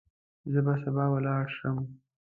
زه به سبا ولاړ شم.